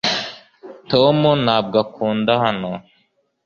tom ntabwo akunda hano